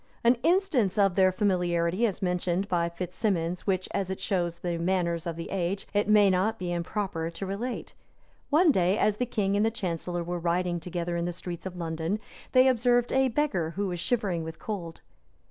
An instance of their familiarity is mentioned by Fitz Stephens which, as it shows the manners of the age, it may not be improper to relate. One day, as the king and the chancellor were riding together in the streets of London, they observed a beggar, who was shivering with cold.